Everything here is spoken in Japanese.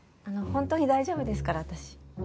本当に大丈夫ですから私。